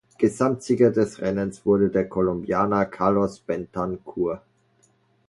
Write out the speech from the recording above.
Gesamtsieger des Rennens wurde der Kolumbianer Carlos Betancur.